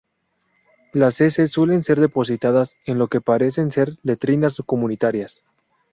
Las heces suelen ser depositadas en lo que parecen ser letrinas comunitarias.